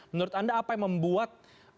menurut anda apa yang membuat